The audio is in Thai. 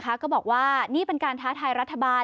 ก็บอกว่านี่เป็นการท้าทายรัฐบาล